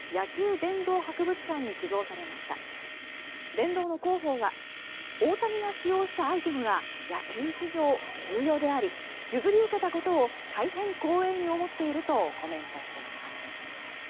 殿堂の広報は大谷が使用したアイテムは野球史上重要であり譲り受けたことを大変光栄に思っているとコメントしています。